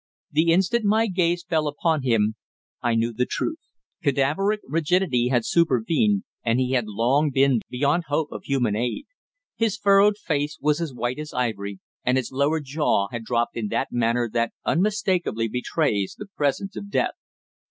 The instant my gaze fell upon him I knew the truth. Cadaveric rigidity had supervened, and he had long been beyond hope of human aid. His furrowed face was as white as ivory, and his lower jaw had dropped in that manner that unmistakably betrays the presence of death.